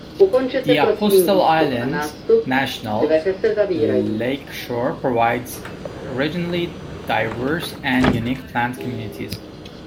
The Apostle Islands National Lakeshore provides regionally diverse and unique plant communities.